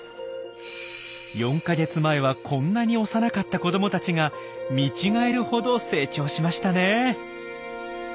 ４か月前はこんなに幼かった子どもたちが見違えるほど成長しましたね。